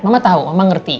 mama tahu mama ngerti